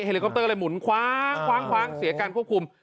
ลิคอปเตอร์เลยหมุนคว้างเสียการควบคุม